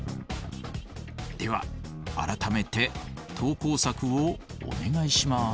では改めて投稿作をお願いします。